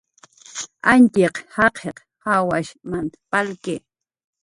Antxiq jaqiq jawash nant palki